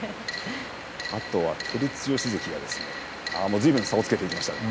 照強関がずいぶん差をつけていきました。